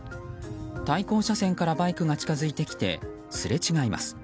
対向車線からバイクが近づいてきてすれ違います。